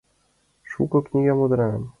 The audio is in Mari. Шуко книгам лудынам.